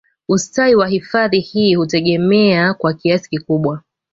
Ustawi wa hifadhi hii hutegemea kwa kiasi kikubwa